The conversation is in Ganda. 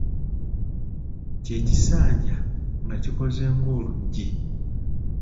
Kye kisanja nga kikoze ng'oluggi.